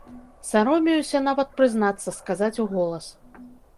Саромеюся нават прызнацца, сказаць уголас.